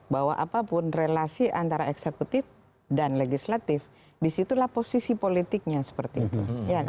bahwa apapun relasi antara eksekutif dan legislatif disitulah posisi politiknya seperti itu